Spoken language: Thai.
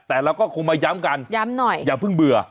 แต่เราก็คงมาย้ำกันย้ำหน่อยอย่าเพิ่งเบื่อ